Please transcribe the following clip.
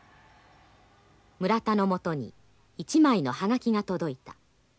村田のもとに１枚の葉書が届いた。